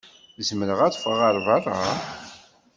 Zemreɣ ad ffɣeɣ ɣer beṛṛa?